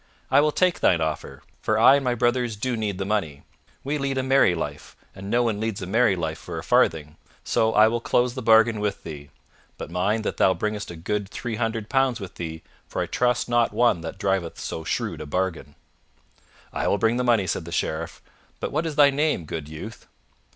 I will take thine offer, for I and my brothers do need the money. We lead a merry life, and no one leads a merry life for a farthing, so I will close the bargain with thee. But mind that thou bringest a good three hundred pounds with thee, for I trust not one that driveth so shrewd a bargain." "I will bring the money," said the Sheriff. "But what is thy name, good youth?"